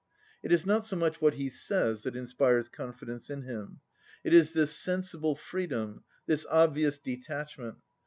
It is not so much what he says that inspires confidence in him. It is this sen sible freedom, this obvious detachment.